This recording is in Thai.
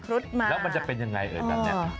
แล้วมันจะเป็นยังไงเอ่ยแบบนี้